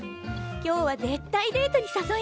今日は絶対デートにさそいなよ！